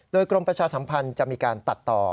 โดยกรมประชาสัมพันธ์จะมีการตัดต่อ